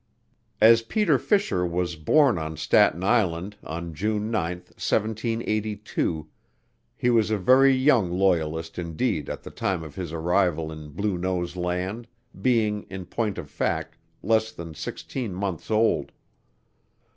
As Peter Fisher was born on Staten Island, on June 9, 1782, he was a very young Loyalist indeed at the time of his arrival in Blue nose Land, being, in point of fact, less than sixteen months old.